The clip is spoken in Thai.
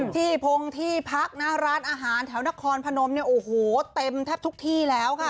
ที่พงที่พักนะร้านอาหารแถวนครพนมเนี่ยโอ้โหเต็มแทบทุกที่แล้วค่ะ